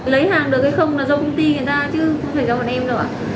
lấy hàng được hay không là do công ty người ta chứ không phải do bọn em đâu ạ